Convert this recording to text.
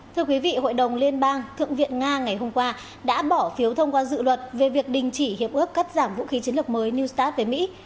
thưa quý vị hội đồng liên bang thượng viện nga ngày hôm qua đã bỏ phiếu thông qua dự luật về việc đình chỉ hiệp ước cắt giảm vũ khí chiến lược mới new start với mỹ